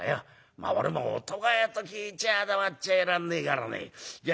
まあ俺も音羽屋と聞いちゃあ黙っちゃいらんねえからねじゃあ